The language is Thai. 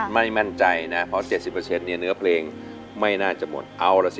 ไม่มั่นใจนะเพราะ๗๐เนี่ยเนื้อเพลงไม่น่าจะหมดเอาล่ะสิ